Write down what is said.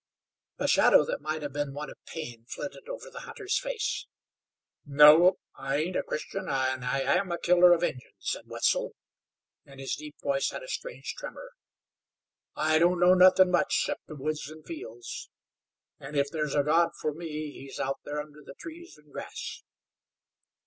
A shadow that might have been one of pain flitted over the hunter's face. "No, I ain't a Christian, an' I am a killer of Injuns," said Wetzel, and his deep voice had a strange tremor. "I don't know nothin' much 'cept the woods an' fields, an' if there's a God fer me He's out thar under the trees an' grass.